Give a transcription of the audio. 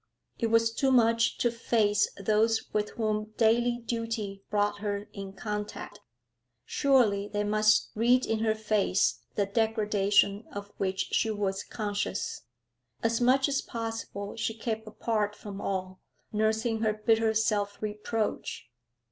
It was too much to face those with whom daily duty brought her in contact; surely they must read in her face the degradation of which she was conscious. As much as possible she kept apart from all, nursing her bitter self reproach.